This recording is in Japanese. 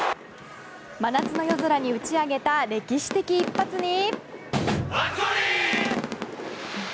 真夏の夜空に打ち上げた歴史的一発に。